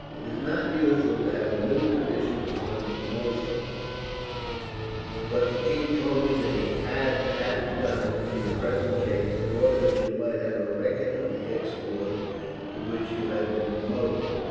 "It is not usual to have a new commission on promotion, but the king told me that he had had it done, in the present case, in order that you might have a record of the exploit for which you have been promoted.